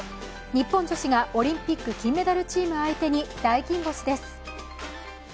日本女子がオリンピック金メダルチーム相手に大金星です。